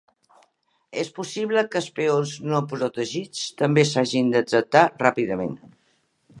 És possible que els peons no protegits també s'hagin de tractar ràpidament.